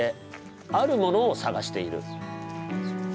あるものを探している。